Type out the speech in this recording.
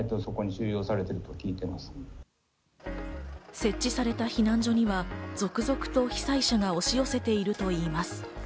設置された避難所には続々と被災者が押し寄せているといいます。